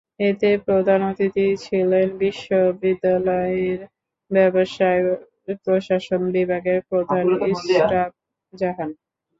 এতে প্রধান অতিথি ছিলেন বিশ্ববিদ্যালয়ের ব্যবসায় প্রশাসন বিভাগের প্রধান ইসরাত জাহান।